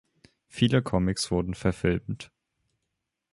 Viele Comics wurden verfilmt.